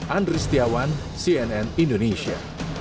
andri setiawan cnn indonesia